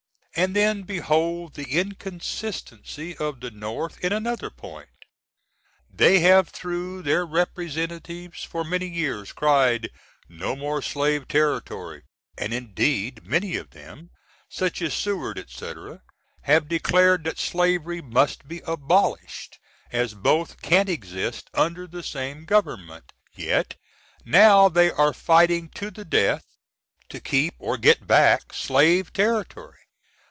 _ And then behold the inconsistency of the North in another point; they have through their Representatives, for many years, cried "no more slave territory"; and indeed many of them, such as Seward &c., have declared that slavery must be abolished, as both can't exist under the same gov.; yet, now they are fighting to the death to keep or _get back slave territory!!!